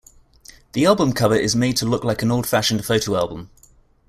The album cover is made to look like an old-fashioned photo album.